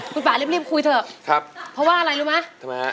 คุณป่ารีบคุยเถอะครับเพราะว่าอะไรรู้มั้ย